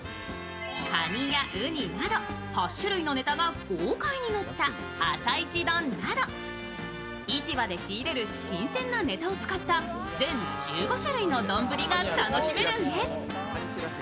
かにやうになど８種類のネタが豪快にのったあさいちどなど市場で仕入れる新鮮なネタを使った全１５種類の丼が楽しめるんです。